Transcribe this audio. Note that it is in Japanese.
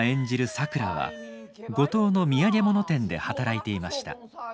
さくらは五島の土産物店で働いていました。